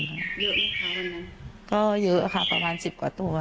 เยอะไหมคะวันนั้นก็เยอะค่ะประมาณสิบกว่าตัว